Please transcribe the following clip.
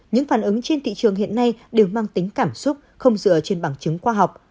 những phản ứng trên thị trường hiện nay đều mang tính cảm xúc không dựa trên bằng chứng khoa học